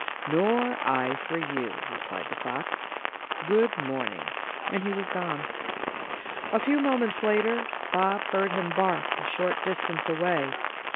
"Nor I for you," replied the fox. "Good morning," and he was or>ne. A few moments later, Bob heard him bark a short distance away.